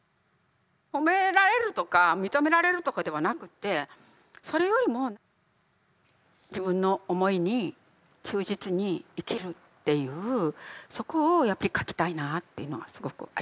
褒められるとか認められるとかではなくてそれよりも自分の思いに忠実に生きるっていうそこをやっぱり書きたいなあっていうのがすごくありました。